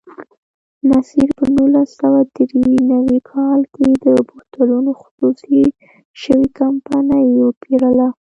نصیر په نولس سوه درې نوي کال کې د بوتلونو خصوصي شوې کمپنۍ وپېرله.